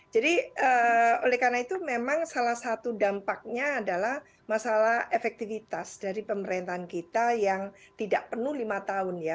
jadi oleh karena itu memang salah satu dampaknya adalah masalah efektivitas dari pemerintahan kita yang tidak penuh lima tahun ya